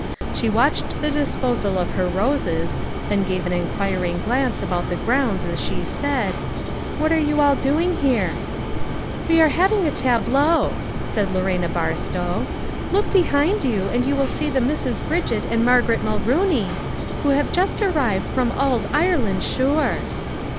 She watched the disposal of her roses, 312 LITTLE FISHEKS: AND THEIR NETS. then gave an inquiring glance about the grounds as she said, " What are you all doing here ?"" We are having a tableau," said Lorena Bar stow. " Look behind you, and you will see the Misses Bridget and Margaret Mulrooney, who have just arrived from ould Ireland shure."